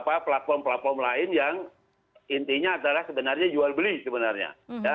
platform platform lain yang intinya adalah sebenarnya jual beli sebenarnya